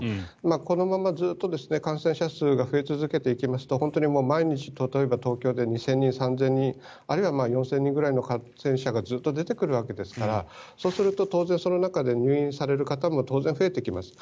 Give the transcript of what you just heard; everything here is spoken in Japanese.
このままずっと感染者数が増え続けていきますと本当に毎日、例えば東京で２０００人、３０００人あるいは４０００人ぐらいの感染者がずっと出てくるわけですからそうすると当然、その中で入院される方も当然増えてきます。